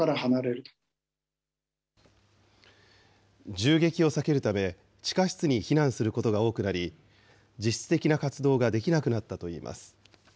銃撃を避けるため、地下室に避難することが多くなり、実質的な活動ができなくなったといいます。